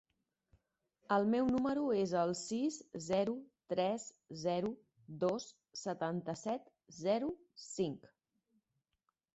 El meu número es el sis, zero, tres, zero, dos, setanta-set, zero, cinc.